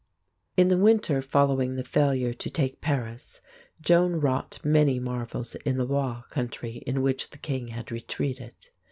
In the winter following the failure to take Paris Joan wrought many marvels in the Loire country to which the king had retreated.